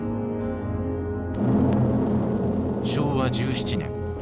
昭和１７年。